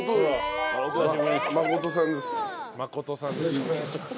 信さんです。